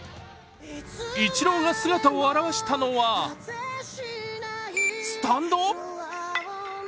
イチローが姿を現したのはスタンド？